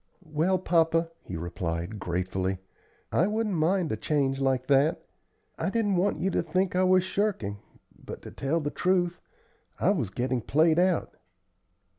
"Well, papa," he replied, gratefully, "I wouldn't mind a change like that. I didn't want you to think I was shirking, but, to tell the truth, I was getting played out."